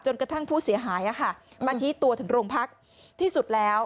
จนกระทั่งผู้เสียหายบันทิตัวถึงโรงพักษณ์ที่สุดแล้ว